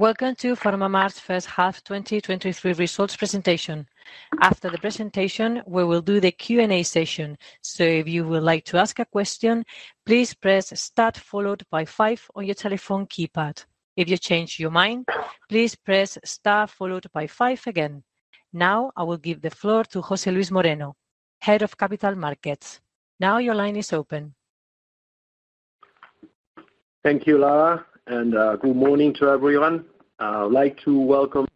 Welcome to PharmaMar's first half 2023 results presentation. After the presentation, we will do the Q&A session. If you would like to ask a question, please press star followed by five on your telephone keypad. If you change your mind, please press star followed by five again. Now I will give the floor to José Luis Moreno, Head of Capital Markets. Now your line is open. Thank you, Lara, and, good morning to everyone. I would like to welcome-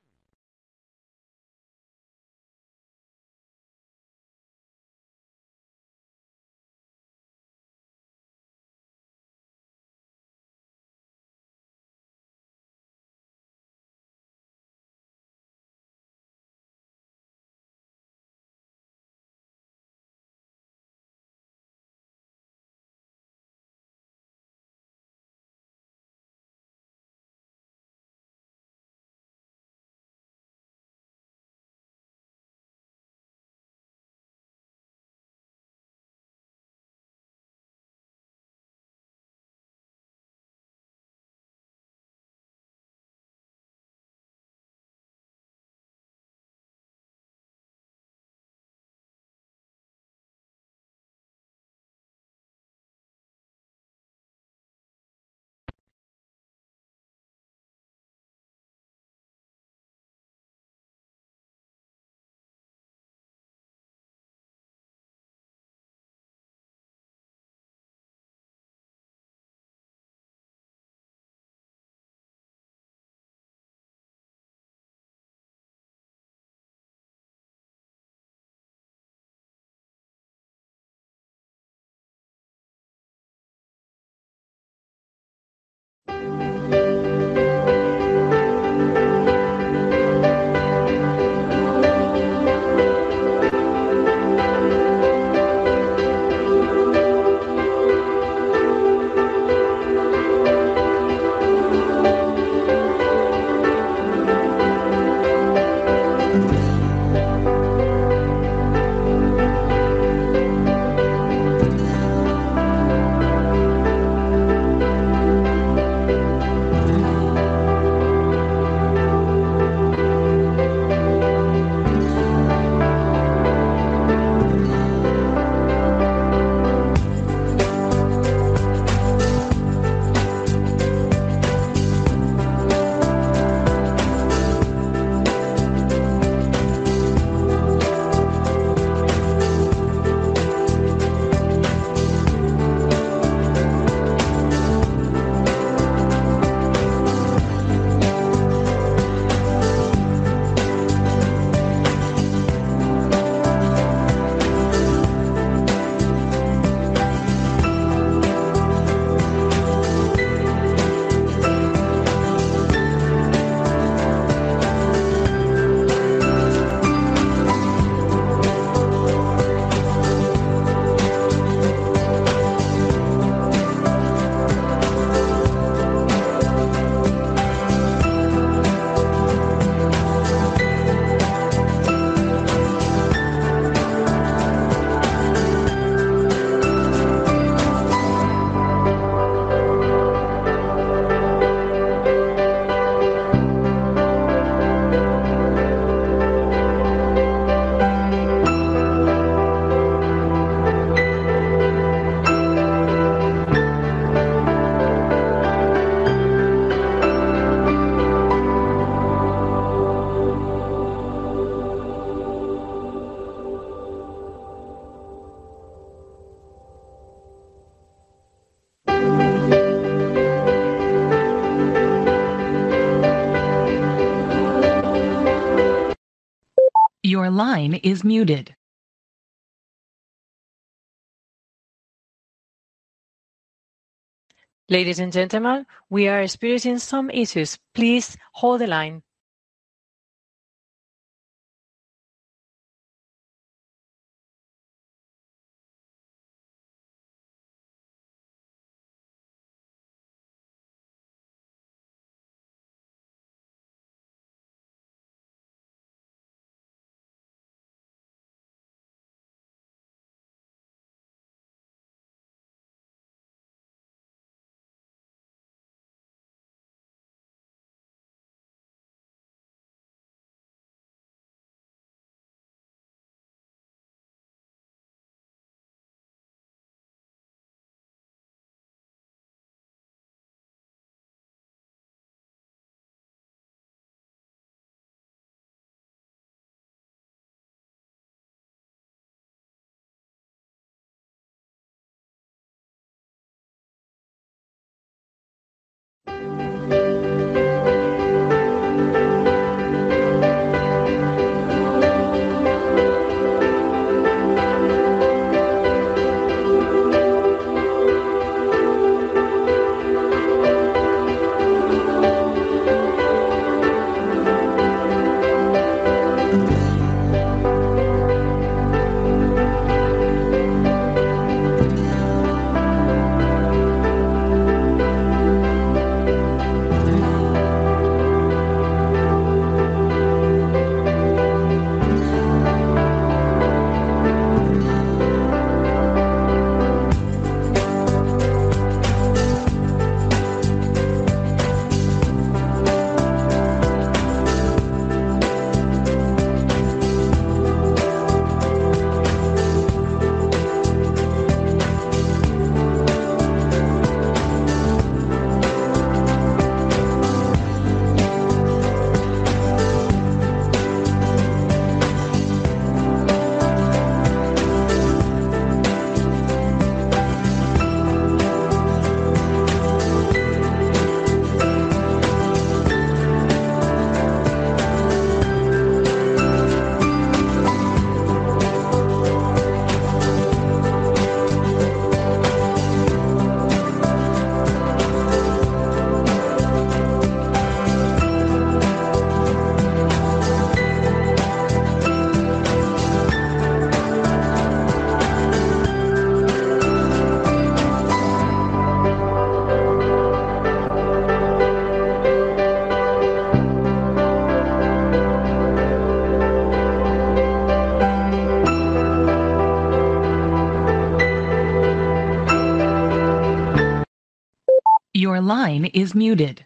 Your line is muted. Ladies and gentlemen, we are experiencing some issues. Please hold the line. Your line is muted.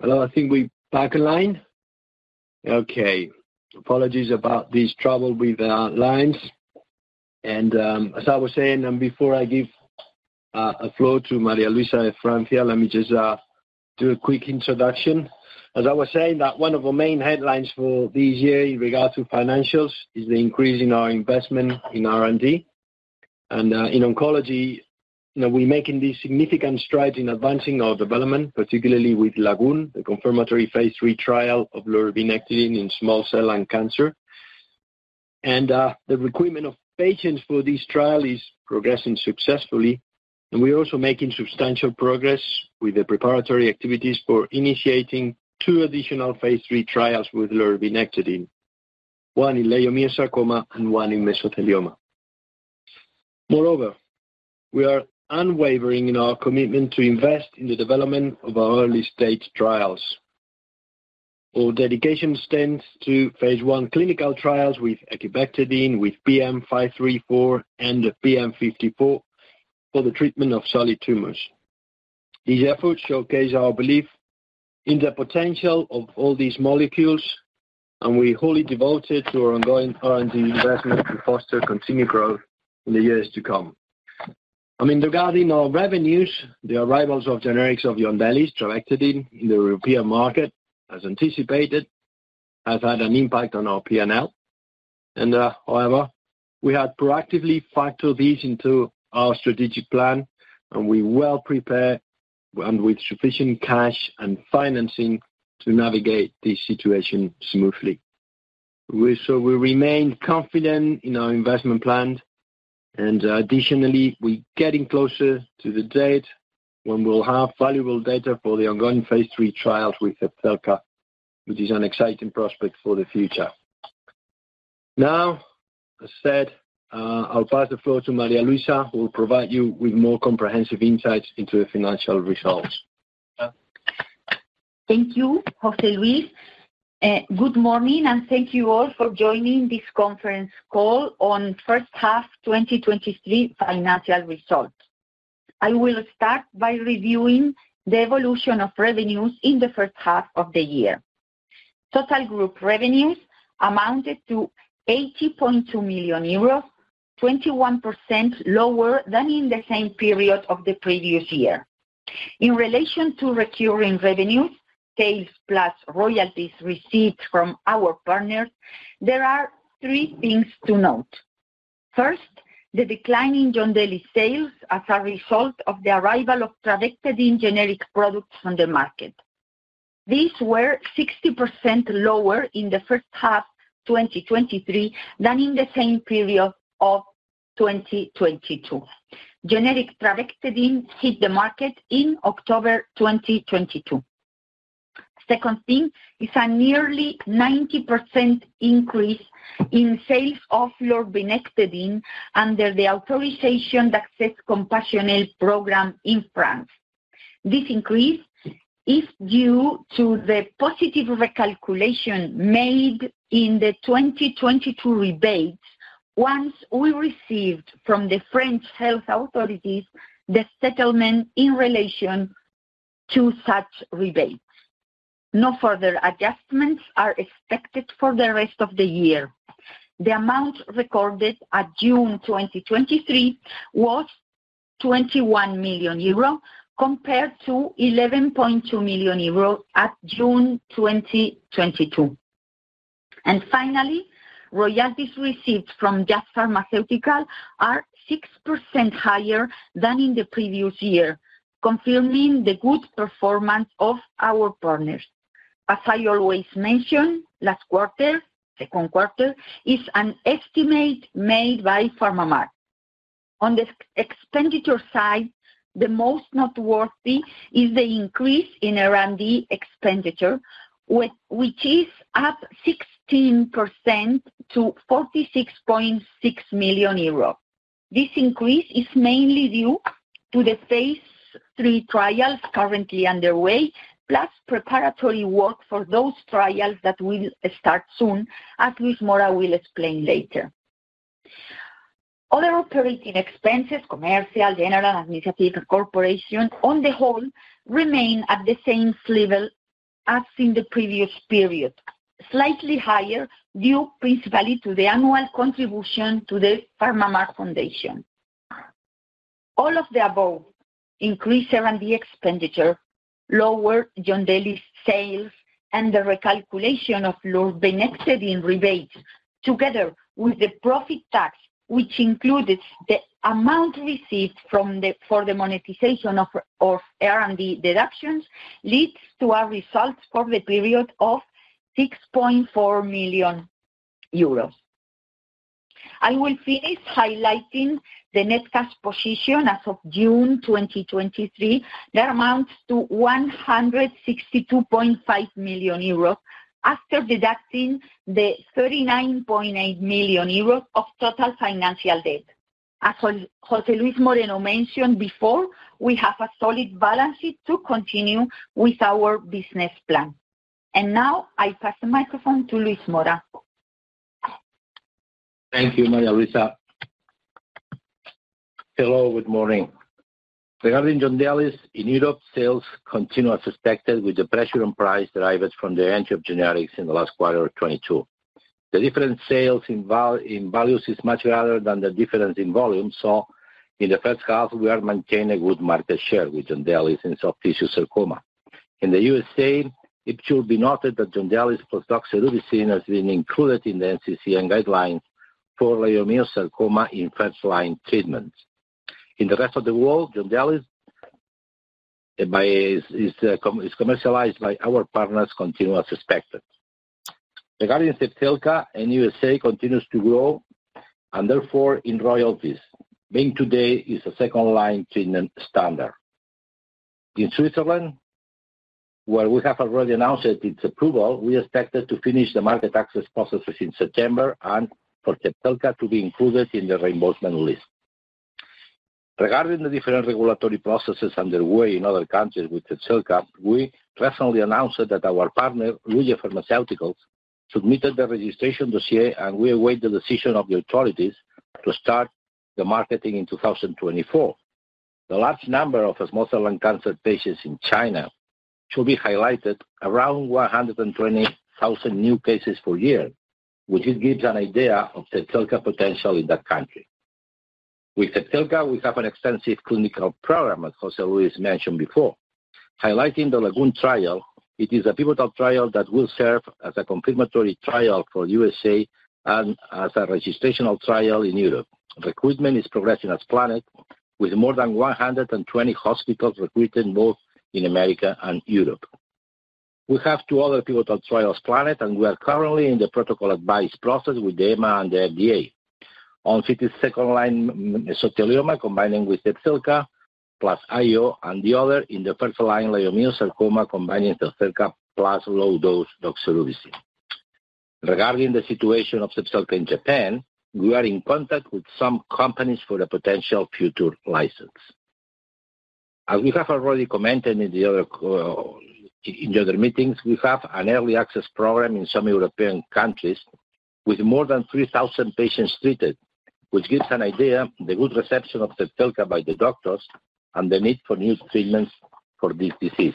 Hello, I think we're back online? Okay, apologies about this trouble with our lines. As I was saying, and before I give the floor to María Luisa Francia, let me just do a quick introduction. As I was saying, that one of our main headlines for this year in regard to financials is the increase in our investment in R&D. In oncology, you know, we're making these significant strides in advancing our development, particularly with LAGOON, the confirmatory phase III trial of lurbinectedin in small cell lung cancer. The recruitment of patients for this trial is progressing successfully, and we're also making substantial progress with the preparatory activities for initiating two additional phase III trials with lurbinectedin, one in leiomyosarcoma and one in mesothelioma. Moreover, we are unwavering in our commitment to invest in the development of our early-stage trials. Our dedication extends to phase I clinical trials with ecubectedin, with PM534, and the PM54 for the treatment of solid tumors. These efforts showcase our belief in the potential of all these molecules, we're wholly devoted to our ongoing R&D investment to foster continued growth in the years to come. I mean, regarding our revenues, the arrivals of generics of Yondelis, trabectedin in the European market, as anticipated, has had an impact on our P&L. However, we had proactively factored this into our strategic plan, and we're well prepared and with sufficient cash and financing to navigate this situation smoothly. We remain confident in our investment plan, additionally, we're getting closer to the date when we'll have valuable data for the ongoing phase III trials with Zepzelca, which is an exciting prospect for the future. Now, as said, I'll pass the floor to María Luisa, who will provide you with more comprehensive insights into the financial results. Thank you, José Luis. Good morning, thank you all for joining this conference call on first half 2023 financial results. I will start by reviewing the evolution of revenues in the first half of the year. Total group revenues amounted to 80.2 million euros, 21% lower than in the same period of the previous year. In relation to recurring revenues, sales plus royalties received from our partners, there are three things to note. First, the decline in Yondelis sales as a result of the arrival of trabectedin generic products on the market. These were 60% lower in the first half 2023 than in the same period of 2022. Generic trabectedin hit the market in October 2022. Second thing is a nearly 90% increase in sales of lurbinectedin under the authorization Accès compassionnel program in France. This increase is due to the positive recalculation made in the 2022 rebates, once we received from the French health authorities, the settlement in relation to such rebates. No further adjustments are expected for the rest of the year. The amount recorded at June 2023 was 21 million euro, compared to 11.2 million euro at June 2022. Finally, royalties received from Jazz Pharmaceuticals are 6% higher than in the previous year, confirming the good performance of our partners. As I always mention, last quarter, second quarter, is an estimate made by PharmaMar. On the expenditure side, the most noteworthy is the increase in R&D expenditure, which is up 16% to 46.6 million euros. This increase is mainly due to the phase III trials currently underway, plus preparatory work for those trials that will start soon, as Luis Mora will explain later. Other operating expenses, commercial, general, administrative, and corporation, on the whole, remain at the same level as in the previous period, slightly higher, due principally to the annual contribution to the PharmaMar Foundation. All of the above, increased R&D expenditure, lower Yondelis sales, and the recalculation of lurbinectedin in rebates, together with the profit tax, which included the amount received for the monetization of R&D deductions, leads to our results for the period of 6.4 million euros. I will finish highlighting the net cash position as of June 2023. That amounts to 162.5 million euros, after deducting the 39.8 million euros of total financial debt. As José Luis Moreno mentioned before, we have a solid balance sheet to continue with our business plan. Now, I pass the microphone to Luis Mora. Thank you, María Luisa. Hello, good morning. Regarding Yondelis, in Europe, sales continue as expected, with the pressure on price derived from the entry of generics in the last quarter of 2022. The different sales in values is much rather than the difference in volume, so in the first half, we are maintaining a good market share with Yondelis in soft tissue sarcoma. In the USA, it should be noted that Yondelis plus doxorubicin has been included in the NCCN guidelines for leiomyosarcoma in first-line treatment. In the rest of the world, Yondelis is commercialized by our partners, continue as expected. Regarding Zepzelca, in USA, continues to grow, and therefore in royalties, being today is a second-line treatment standard. In Switzerland, where we have already announced its approval, we expected to finish the market access processes in September and for Zepzelca to be included in the reimbursement list. Regarding the different regulatory processes underway in other countries with Zepzelca, we recently announced that our partner, Luye Pharma Group, submitted the registration dossier, and we await the decision of the authorities to start the marketing in 2024. The large number of mesothelioma cancer patients in China should be highlighted, around 120,000 new cases per year, which gives an idea of Zepzelca potential in that country. With Zepzelca, we have an extensive clinical program, as José Luis mentioned before, highlighting the LAGOON trial. It is a pivotal trial that will serve as a confirmatory trial for USA and as a registrational trial in Europe. Recruitment is progressing as planned, with more than 120 hospitals recruited, both in America and Europe. We have two other pivotal trials planned. We are currently in the protocol advice process with the EMA and the FDA. On second-line mesothelioma, combining with Zepzelca plus IO, and the other in the first-line leiomyosarcoma, combining Zepzelca plus low-dose doxorubicin. Regarding the situation of Zepzelca in Japan, we are in contact with some companies for a potential future license. As we have already commented in the other meetings, we have an early access program in some European countries with more than 3,000 patients treated, which gives an idea, the good reception of Zepzelca by the doctors and the need for new treatments for this disease.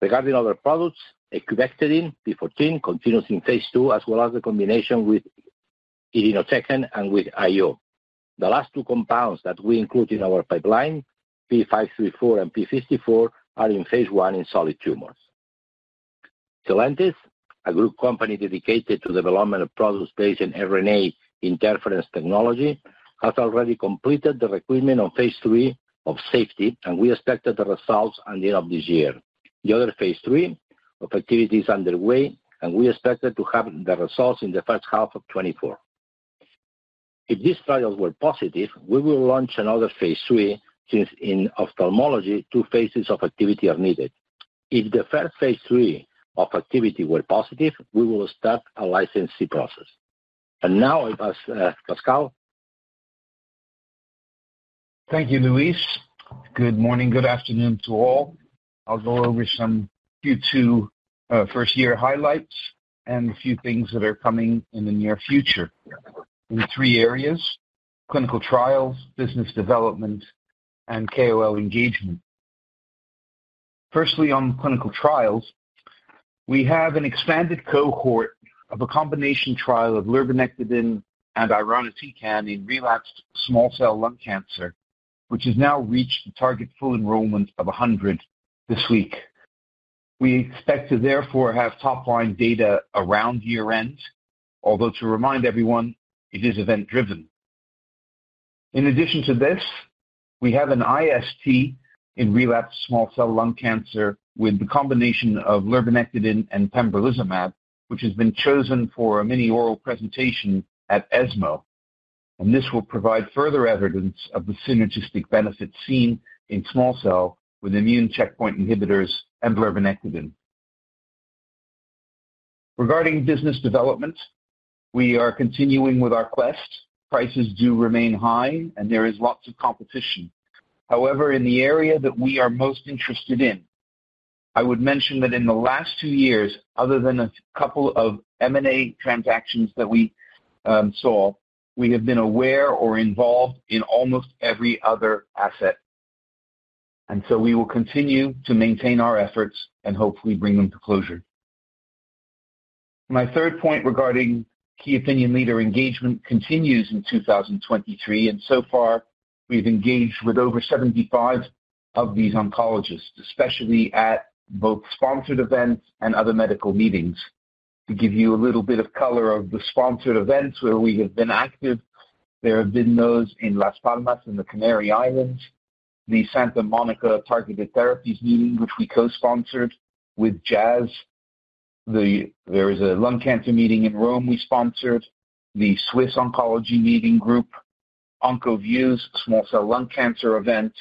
Regarding other products, ecubectedin, PM14, continues in phase II, as well as the combination with irinotecan and with IO. The last two compounds that we include in our pipeline, PM534 and PM54, are in phase I in solid tumors. Sylentis, a group company dedicated to development of products based in RNA interference technology, has already completed the recruitment on phase III of safety, and we expect the results at the end of this year. The other phase III of activity is underway, and we expect to have the results in the first half of 2024. If these trials were positive, we will launch another phase III, since in ophthalmology, two phases of activity are needed. If the first phase III of activity were positive, we will start a licensing process. Now, I pass Pascal? Thank you, Luis. Good morning, good afternoon to all. I'll go over some Q2 first year highlights and a few things that are coming in the near future. In three areas: clinical trials, business development, and KOL engagement. Firstly, on clinical trials, we have an expanded cohort of a combination trial of Lurbinectedin and Irinotecan in relapsed small cell lung cancer, which has now reached the target full enrollment of 100 this week. We expect to therefore have top line data around year-end, although to remind everyone, it is event-driven. In addition to this, we have an IST in relapsed small cell lung cancer with the combination of Lurbinectedin and Pembrolizumab, which has been chosen for a mini oral presentation at ESMO. This will provide further evidence of the synergistic benefit seen in small cell with immune checkpoint inhibitors and Lurbinectedin. Regarding business development, we are continuing with our quest. Prices do remain high, and there is lots of competition. However, in the area that we are most interested in, I would mention that in the last two years, other than a couple of M&A transactions that we saw, we have been aware or involved in almost every other asset. We will continue to maintain our efforts and hopefully bring them to closure. My third point regarding key opinion leader engagement continues in 2023, and so far, we've engaged with over 75 of these oncologists, especially at both sponsored events and other medical meetings. To give you a little bit of color of the sponsored events where we have been active, there have been those in Las Palmas, in the Canary Islands, the Santa Monica Targeted Therapies meeting, which we co-sponsored with Jazz. There is a lung cancer meeting in Rome we sponsored, the Swiss Oncology Meeting Group, OncoViews, small cell lung cancer event,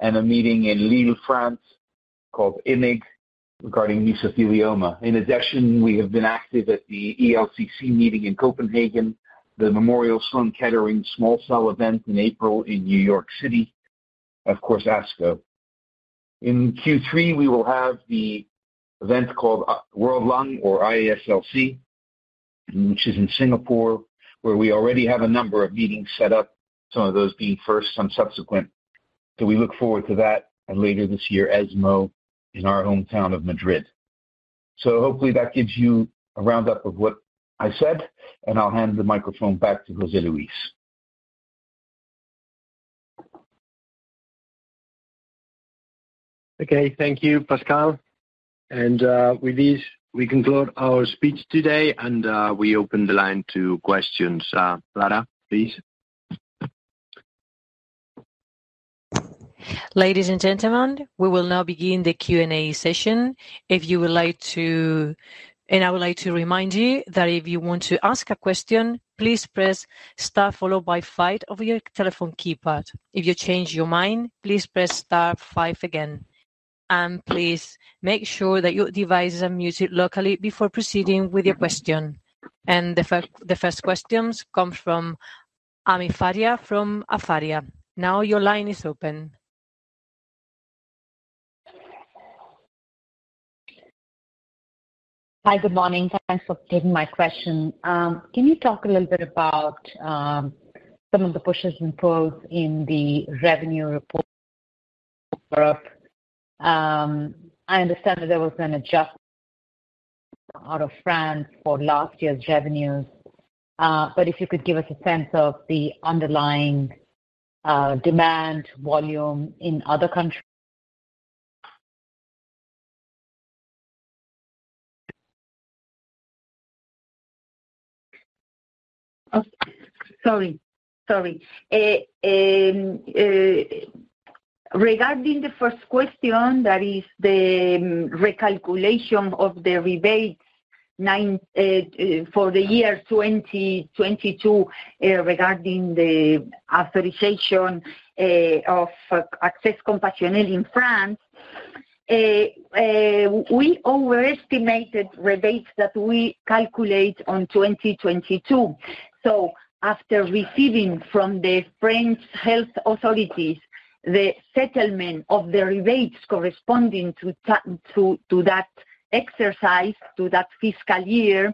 and a meeting in Lille, France, called IMIG, regarding mesothelioma. In addition, we have been active at the ELCC meeting in Copenhagen, the Memorial Sloan Kettering small cell event in April in New York City, of course, ASCO. In Q3, we will have the event called, World Lung or IASLC, which is in Singapore, where we already have a number of meetings set up, some of those being first, some subsequent. We look forward to that, and later this year, ESMO in our hometown of Madrid. Hopefully that gives you a roundup of what I said, and I'll hand the microphone back to José Luis. Okay, thank you, Pascal. With this, we conclude our speech today, and, we open the line to questions. Lara, please. Ladies and gentlemen, we will now begin the Q&A session. If you would like to... I would like to remind you that if you want to ask a question, please press star followed by five over your telephone keypad. If you change your mind, please press star five again, and please make sure that your device is muted locally before proceeding with your question. The first question comes from Ami Faria from Afaria. Now your line is open. Hi, good morning. Thanks for taking my question. Can you talk a little bit about some of the pushes and pulls in the revenue report? I understand that there was an adjust out of France for last year's revenues. If you could give us a sense of the underlying demand volume in other countries. Sorry, sorry. Regarding the first question, that is the recalculation of the rebates, for the year 2022, regarding the authorization of Accès Compassionnel in France, we overestimated rebates that we calculate on 2022. After receiving from the French health authorities, the settlement of the rebates corresponding to that exercise, to that fiscal year,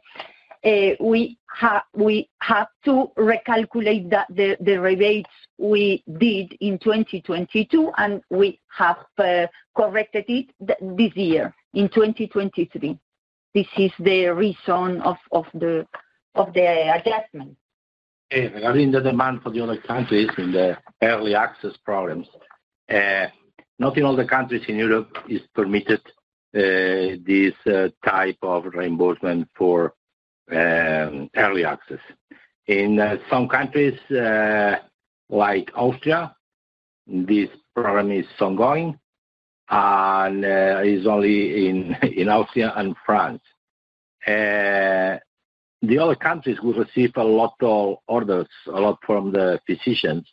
we have to recalculate the rebates we did in 2022, and we have corrected it this year, in 2023. This is the reason of the adjustment. Regarding the demand for the other countries in the early access programs, not in all the countries in Europe is permitted, this type of reimbursement for early access. In some countries, like Austria, this program is ongoing and is only in, in Austria and France. The other countries will receive a lot of orders, a lot from the physicians....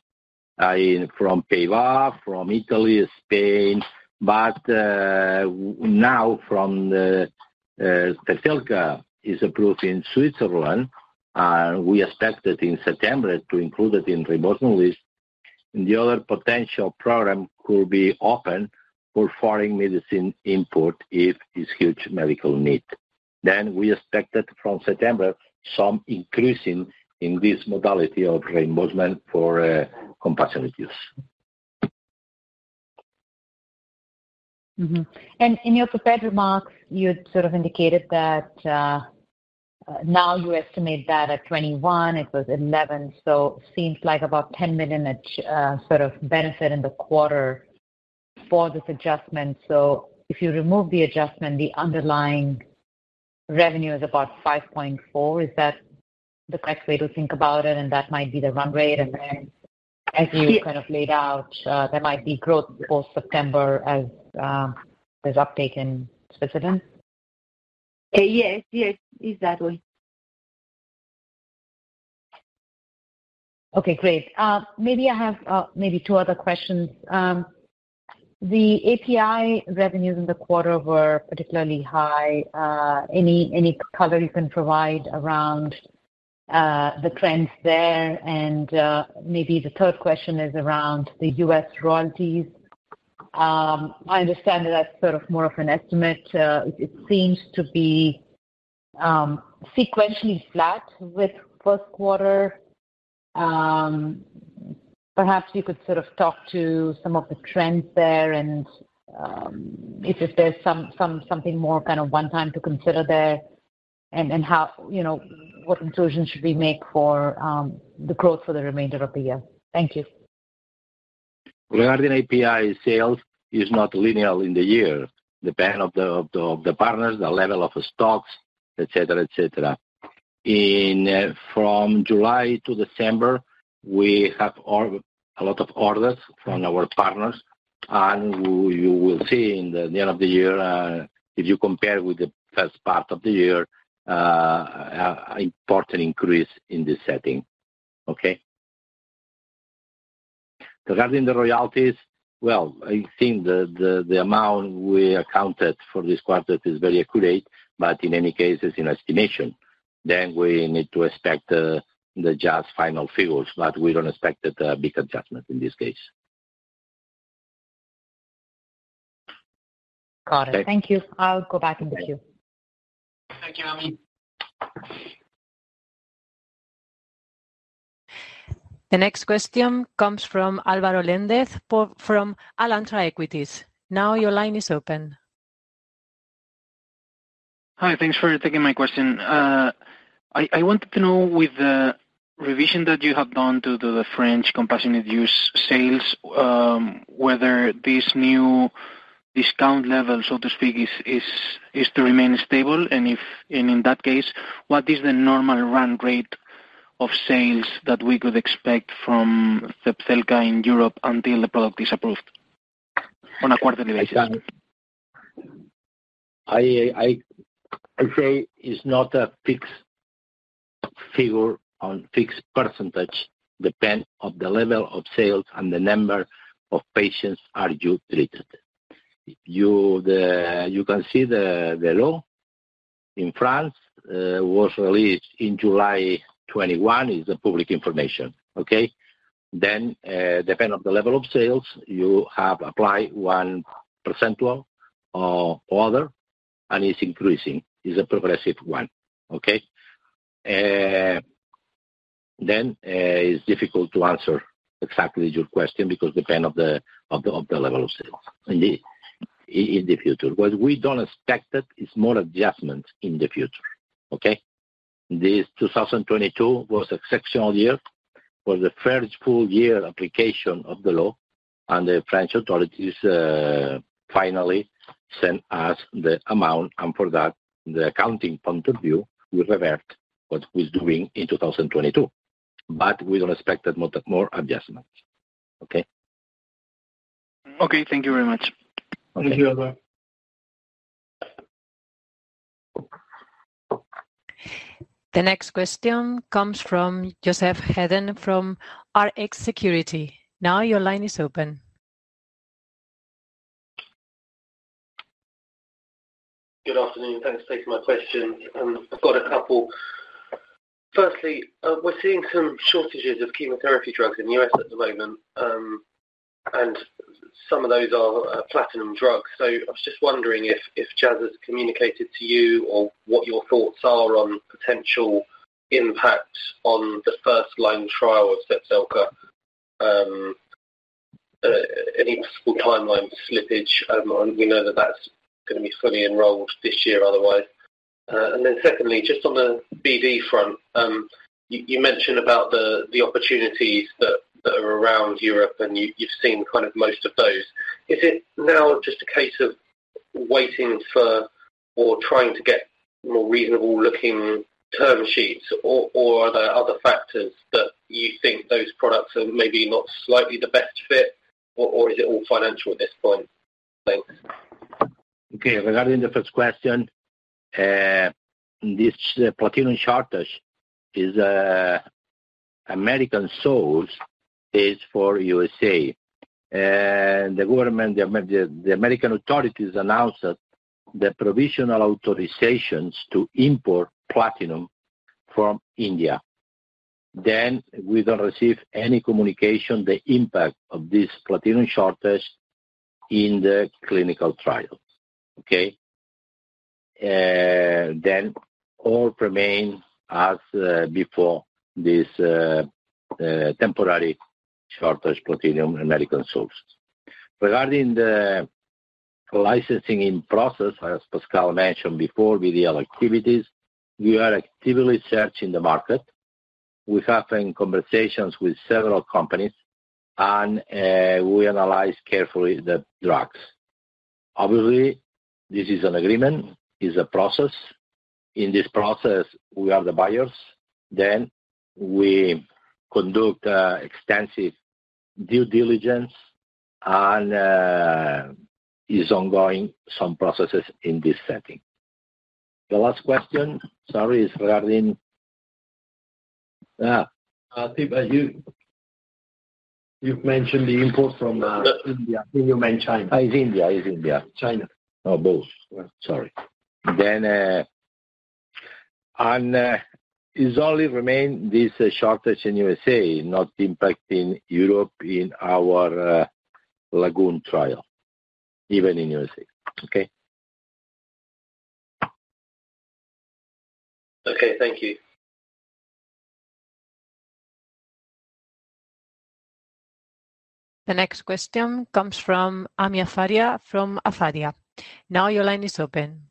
I, from Peva, from Italy, Spain. Now from the Zepzelca is approved in Switzerland, and we expect that in September to include it in reimbursement list. The other potential program could be open for foreign medicine import if it's huge medical need. We expect that from September, some increasing in this modality of reimbursement for compassionate use. Mm-hmm. In your prepared remarks, you had sort of indicated that, now you estimate that at 21 million, it was 11 million, seems like about 10 million sort of benefit in the quarter for this adjustment. If you remove the adjustment, the underlying revenue is about 5.4 million. Is that the correct way to think about it? That might be the run rate. Then as you kind of laid out, there might be growth post-September as uptake in Switzerland. Yes, yes. Exactly. Okay, great. Maybe I have, maybe twp other questions. The API revenues in the quarter were particularly high. Any, any color you can provide around the trends there? Maybe the third question is around the U.S. royalties. I understand that that's sort of more of an estimate. It seems to be sequentially flat with first quarter. Perhaps you could sort of talk to some of the trends there and if there's something more kind of one-time to consider there, how, you know, what conclusions should we make for the growth for the remainder of the year? Thank you. Regarding API sales, is not linear in the year, depend of the partners, the level of stocks, etc., etc. From July to December, we have a lot of orders from our partners, and you will see in the end of the year, if you compare with the first part of the year, important increase in this setting. Okay? Regarding the royalties, well, I think the amount we accounted for this quarter is very accurate, but in any case, it's an estimation, we need to expect the just final figures, but we don't expect a big adjustment in this case. Got it. Okay. Thank you. I'll go back in the queue. Thank you, Ami. The next question comes from Álvaro Liniers, from Alantra Equities. Your line is open. Hi, thanks for taking my question. I wanted to know, with the revision that you have done to the French compassionate use sales, whether this new discount level, so to speak, is to remain stable, and if, in that case, what is the normal run rate of sales that we could expect from Zepzelca in Europe until the product is approved on a quarter elevation? I say it's not a fixed figure on fixed percentage, depend on the level of sales and the number of patients are you treated. If you can see the law in France, was released in July 21. It's public information. Okay. Depend on the level of sales, you have applied 1 percentile or other, and it's increasing. It's a progressive one. Okay. It's difficult to answer exactly your question because depend of the level of sales in the future. What we don't expect it, is more adjustment in the future, okay. This 2022 was exceptional year for the first full year application of the law. The French authorities finally sent us the amount. For that, the accounting point of view, we revert what was doing in 2022. We don't expect that more adjustments. Okay? Okay. Thank you very much. Thank you, Álvaro The next question comes from Joseph Hedden, from Rx Securities. Now your line is open. Good afternoon. Thanks for taking my question. I've got a couple. Firstly, we're seeing some shortages of chemotherapy drugs in the U.S. at the moment. Some of those are platinum drugs. I was just wondering if Jazz has communicated to you or what your thoughts are on potential impact on the first-line trial of Zepzelca, any possible timeline slippage? We know that that's going to be fully enrolled this year, otherwise. Secondly, just on the BV front, you mentioned about the opportunities that are around Europe, and you've seen kind of most of those. Is it now just a case of waiting for or trying to get more reasonable-looking term sheets, or, or are there other factors that you think those products are maybe not slightly the best fit, or, or is it all financial at this point? Thanks. Okay, regarding the first question, this platinum shortage is American source is for USA. The government, the American authorities announced that the provisional authorizations to import platinum from India. We don't receive any communication, the impact of this platinum shortage in the clinical trial. Okay? All remain as before this temporary shortage, platinum American sources. Regarding the licensing in process, as Pascal mentioned before, with the activities, we are actively searching the market. We're having conversations with several companies, we analyze carefully the drugs. Obviously, this is an agreement, is a process. In this process, we are the buyers. We conduct extensive due diligence and is ongoing some processes in this setting. The last question, sorry, is regarding. I think, you, you've mentioned the import from India. You mean China? It's India. It's India. China. Oh, both. Yeah. Sorry. It's only remain this shortage in USA, not impacting Europe in our LAGOON trial, even in USA. Okay? Okay. Thank you. The next question comes from Ami Faria from Faria. Now your line is open.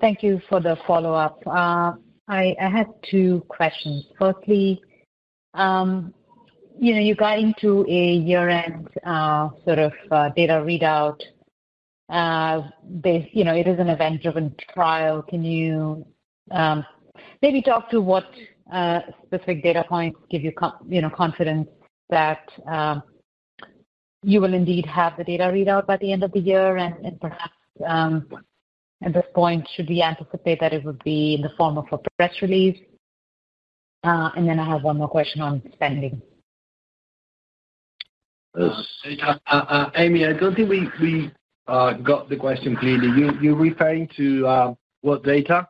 Thank you for the follow-up. I, I had two questions. Firstly, you know, you got into a year-end sort of data readout. You know, it is an event-driven trial. Can you maybe talk to what specific data points give you, you know, confidence that you will indeed have the data readout by the end of the year? And perhaps, at this point, should we anticipate that it would be in the form of a press release? Then I have 1 more question on spending. Ami, I don't think we, we got the question clearly. You, you're referring to what data?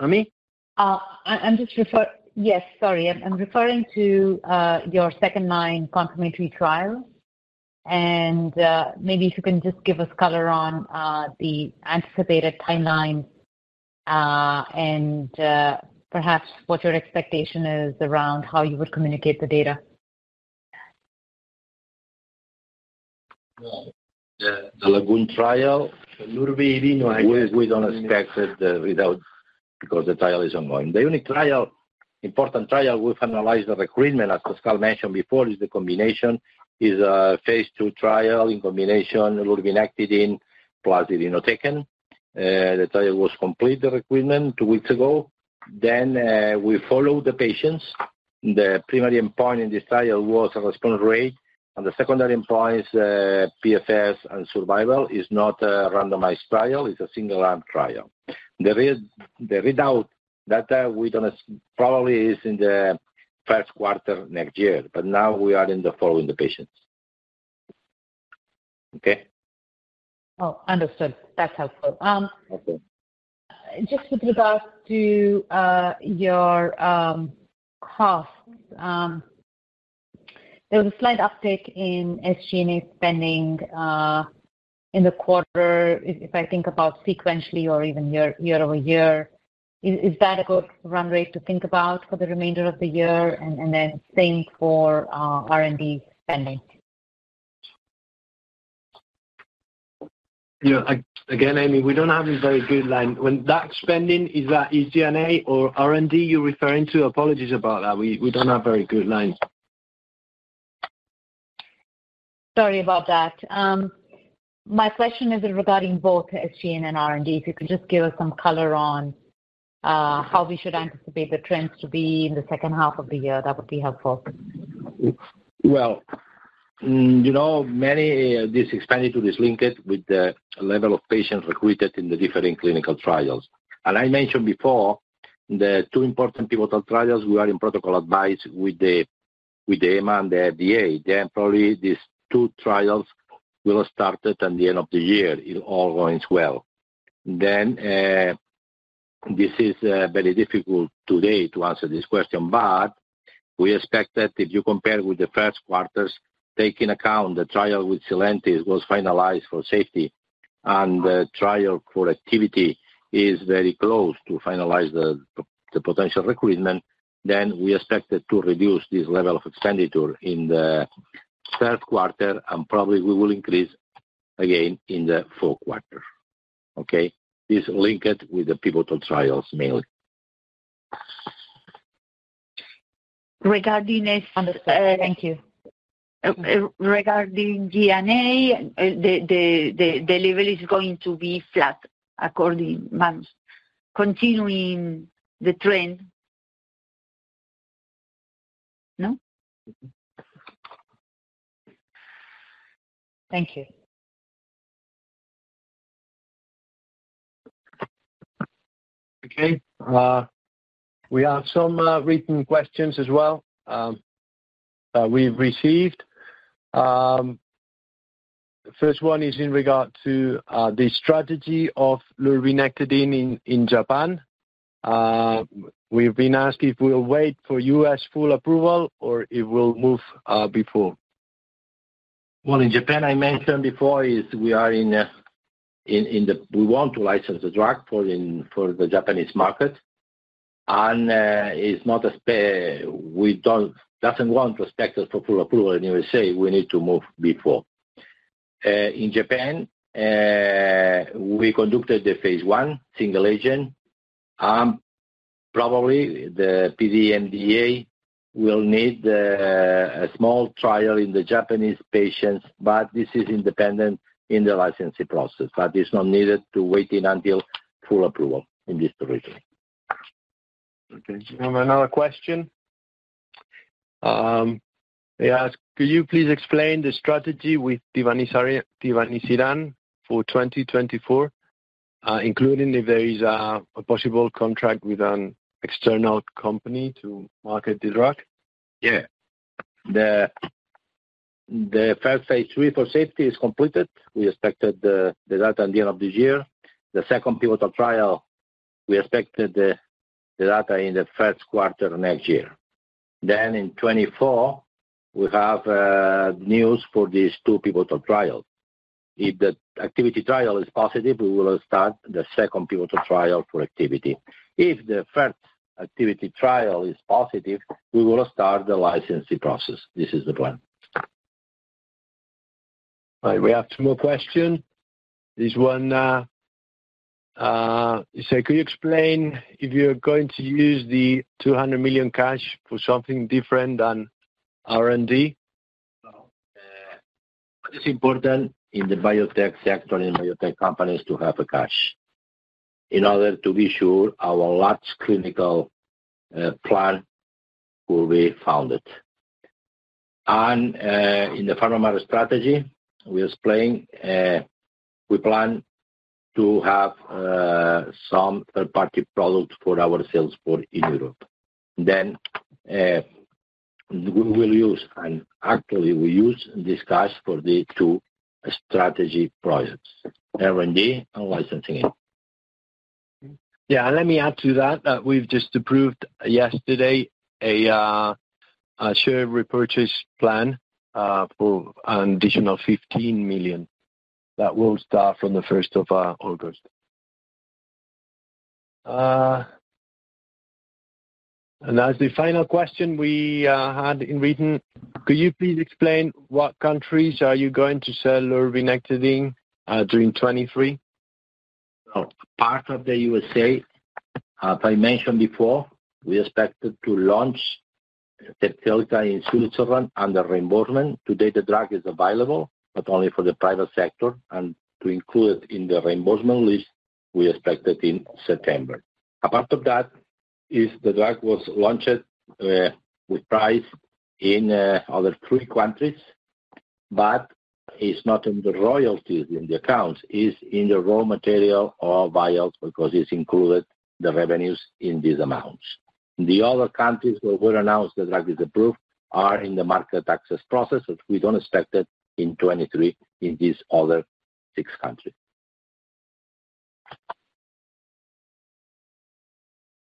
Ami? Yes, sorry. I'm referring to your second-line complementary trial, and maybe if you can just give us color on the anticipated timeline, and perhaps what your expectation is around how you would communicate the data. Yeah. The LAGOON trial, we, we don't expect it, the readout, because the trial is ongoing. The only trial, important trial, we've analyzed the recruitment, as Pascal mentioned before, is the combination, is a phase II trial in combination with irinotecan. The trial was complete, the recruitment, two weeks ago. We follow the patients. The primary endpoint in this trial was a response rate, and the secondary endpoint, PFS and survival, is not a randomized trial. It's a single-arm trial. The read, the readout that we're gonna probably is in the first quarter next year, but now we are in the following the patients. Okay? Oh, understood. That's helpful. Okay. Just with regards to, your, costs, there was a slight uptick in SG&A spending, in the quarter. If, if I think about sequentially or even year, year-over-year, is, is that a good run rate to think about for the remainder of the year? Then same for, R&D spending. Yeah. Again, Ami, we don't have a very good line. When that spending, is that SG&A or R&D you're referring to? Apologies about that. We don't have very good lines. Sorry about that. My question is regarding both SG&A and R&D. If you could just give us some color on how we should anticipate the trends to be in the second half of the year, that would be helpful. Well, you know, many, this expenditure is linked with the level of patients recruited in the different clinical trials. I mentioned before, the two important pivotal trials, we are in protocol advice with the EMA and the FDA. Probably these two trials will have started at the end of the year, if all goes well. This is very difficult today to answer this question, but we expect that if you compare with the first quarters, take into account the trial with Sylentis was finalized for safety, and the trial for activity is very close to finalize the potential recruitment. We expect it to reduce this level of expenditure in the third quarter, and probably we will increase again in the fourth quarter. Okay? This linked with the pivotal trials, mainly. Regarding this, thank you.... Regarding G&A, the level is going to be flat according months, continuing the trend. No? Thank you. Okay. We have some written questions as well, that we've received. First one is in regard to the strategy of lurbinectedin in Japan. We've been asked if we will wait for U.S. full approval or it will move before. Well, in Japan, I mentioned before, is we are in a, we want to license the drug for the Japanese market. It's not a spare. We doesn't want to expect it for full approval in USA, we need to move before. In Japan, we conducted the phase I single agent. Probably the PMDA will need a small trial in the Japanese patients, but this is independent in the licensing process, it's not needed to waiting until full approval in this region. Okay. Another question. They ask: Could you please explain the strategy with tivanisiran for 2024, including if there is a possible contract with an external company to market this drug? Yeah. The, the first phase III for safety is completed. We expected the, the result at the end of this year. The second d pivotal trial, we expected the, the data in the 1st quarter next year. In 2024, we have news for these two pivotal trial. If the activity trial is positive, we will start the second pivotal trial for activity. If the first activity trial is positive, we will start the licensing process. This is the plan. All right, we have two more questions. This one, it says, could you explain if you're going to use the 200 million cash for something different than R&D? It's important in the biotech sector, in biotech companies, to have a cash in order to be sure our large clinical plan will be funded. In the PharmaMar strategy, we are explaining, we plan to have some third-party products for our sales for in Europe. We will use, and actually, we use this cash for the two strategy projects, R&D and licensing. Yeah, let me add to that, that we've just approved yesterday a share repurchase plan for an additional 15 million. That will start from the 1st of August. As the final question we had in written: Could you please explain what countries are you going to sell lurbinectedin during 2023? Part of the USA. As I mentioned before, we expected to launch the Zepzelca in Switzerland under reimbursement. Today, the drug is available, but only for the private sector, and to include it in the reimbursement list, we expect it in September. Apart of that, is the drug was launched with price in other three countries, but it's not in the royalties in the accounts, it's in the raw material or vials because it's included the revenues in these amounts. The other countries where we announced the drug is approved are in the market access process, which we don't expect it in 2023 in these other countries.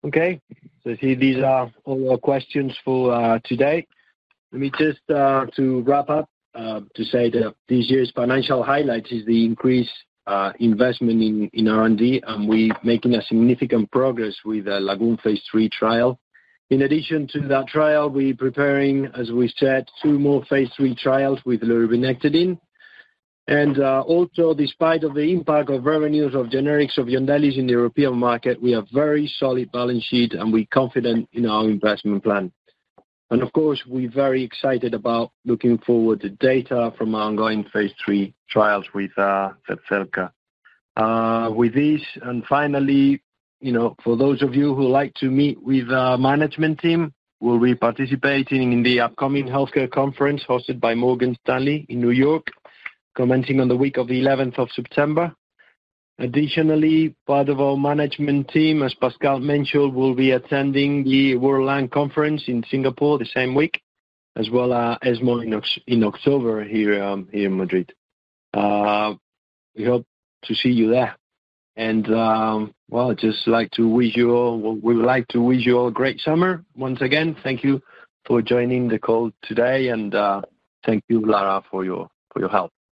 I see these are all our questions for today. Let me just to wrap up to say that this year's financial highlight is the increased investment in R&D, and we're making significant progress with the LAGOON phase III trial. In addition to that trial, we're preparing, as we said, two more phase III trials with lurbinectedin. Also, despite of the impact of revenues of generics of Yondelis in the European market, we have very solid balance sheet, and we're confident in our investment plan. Of course, we're very excited about looking forward to data from our ongoing phase III trials with Zepzelca. With this, finally, you know, for those of you who like to meet with our management team, we'll be participating in the upcoming healthcare conference hosted by Morgan Stanley in New York, commencing on the week of the 11th of September. Additionally, part of our management team, as Pascal mentioned, will be attending the World Lung Conference in Singapore the same week, as well as ESMO in October here, here in Madrid. We hope to see you there. Well, we would like to wish you all a great summer. Once again, thank you for joining the call today, and thank you, Lara, for your help.